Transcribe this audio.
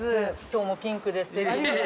今日もピンクで素敵で。